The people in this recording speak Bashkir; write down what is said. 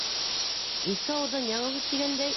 Иҫке ауыҙҙан яңы һүҙ, тигәндәй...